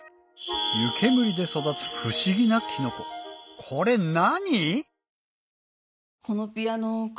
湯煙で育つ不思議なキノコこれ何？